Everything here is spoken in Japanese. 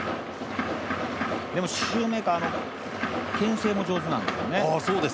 でもシューメーカー、けん制も上手なんですよね。